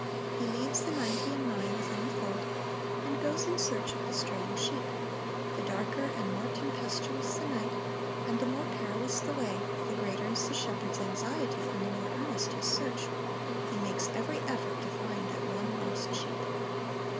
He leaves the ninety and nine within the fold, and goes in search of the straying sheep. The darker and more tempestuous the night, and the more perilous the way, the greater is the shepherd's anxiety, and the more earnest his search. He makes every effort to find that one lost sheep.